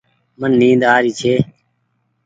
من نيد آري ڇي ۔